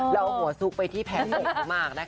แล้วหัวสุกไปที่แผนห่วงของมาร์คนะคะ